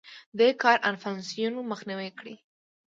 دې کار انفلاسیون مخنیوی کړی.